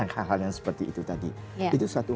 hal hal yang seperti itu tadi itu satu